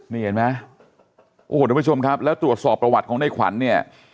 นี่เห็นไหมโอ้โหทุกผู้ชมครับแล้วตรวจสอบประวัติของในขวัญเนี่ย